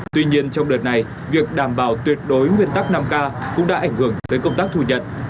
tuy nhiên trong đợt này việc đảm bảo tuyệt đối nguyên tắc năm k cũng đã ảnh hưởng tới công tác thu nhận